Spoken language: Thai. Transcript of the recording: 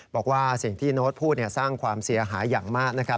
บอกว่าสิ่งที่โน้ตพูดสร้างความเสียหายอย่างมากนะครับ